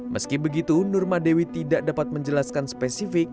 meski begitu nurmadewi tidak dapat menjelaskan spesifik